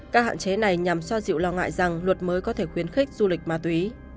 các hạn chế này nhằm xoa dịu lo ngại rằng luật mới có thể khuyến khích du lịch ma túy